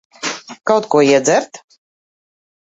Kaut ko iedzert?